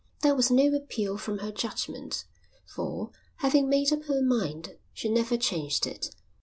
There was no appeal from her judgment, for, having made up her mind, she never changed it.